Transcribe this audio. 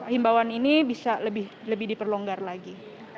himbawan ini bisa lebih diperlonggar lagi